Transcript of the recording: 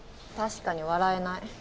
確かに笑えない。